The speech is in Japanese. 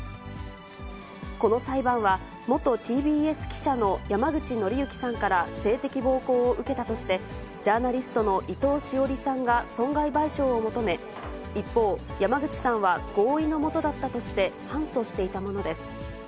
この裁判は、元ＴＢＳ記者の山口敬之さんから性的暴行を受けたとして、ジャーナリストの伊藤詩織さんが損害賠償を求め、一方、山口さんは合意のもとだったとして、反訴していたものです。